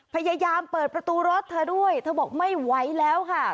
พยายามเปิดประตูรถเธอด้วยเธอบอกไม่ไหวแล้วค่ะ